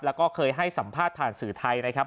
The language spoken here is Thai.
แล้วก็เคยให้สัมภาษณ์ผ่านสื่อไทยนะครับ